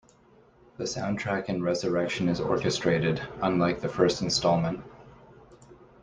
The soundtrack in "Resurrection" is orchestrated, unlike the first instalment.